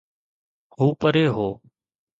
هو پري هو.